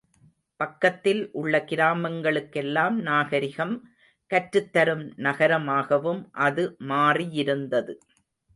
பக்கத்தில் உள்ள கிராமங்களுக்கெல்லாம் நாகரிகம் கற்றுத் தரும் நகரமாகவும் அது மாறியிருந்தது.